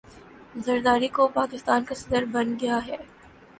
ذرداری گو پاکستان کا صدر بن گیا ہے